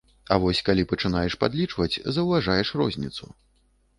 А вось калі пачынаеш падлічваць, заўважаеш розніцу.